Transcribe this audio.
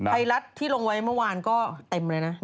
ไทยรัฐที่ลงไว้เมื่อวานก็เต็มเลยนะ